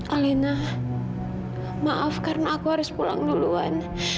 alina maaf karena aku harus pulang duluan